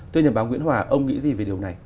thưa nhà báo nguyễn hòa ông nghĩ gì về điều này